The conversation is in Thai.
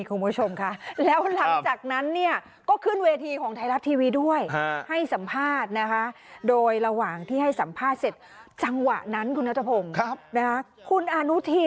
ถ้าผมถามว่าประชาชนเนี่ยเขาต้องเห็นใจคุณว่าการที่ผู้หญิงมาท้อง๘เดือนแล้วยังสู้อย่างนี้